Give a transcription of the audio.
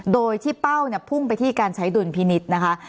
โดยที่เป้าเนี่ยพุ่งไปที่การใช้ดุลพินิษฐ์นะคะ